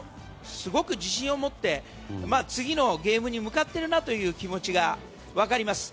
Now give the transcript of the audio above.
すごく自信を持って次のゲームに向かってるなという気持ちが分かります。